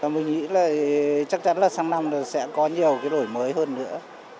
mình nghĩ là chắc chắn là sáng năm sẽ có nhiều cái lỗi mới hơn nữa